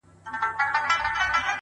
پوهه د شکونو ځای یقین ته ورکوي